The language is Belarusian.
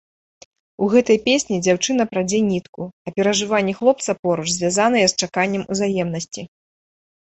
У гэтай песні дзяўчына прадзе нітку, а перажыванні хлопца поруч звязаныя з чаканнем узаемнасці.